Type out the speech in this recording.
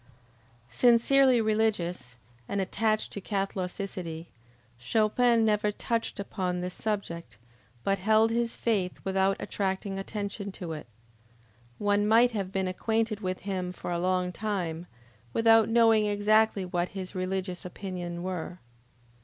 Sincerely religious, and attached to Catholicity, Chopin never touched upon this subject, but held his faith without attracting attention to it. One might have been acquainted with him for a long time, without knowing exactly what his religious opinion were.